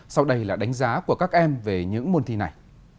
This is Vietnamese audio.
sau đây là đánh giá của các em về những môn thi này